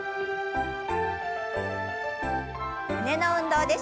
胸の運動です。